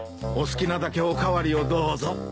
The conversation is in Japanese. お好きなだけお代わりをどうぞ。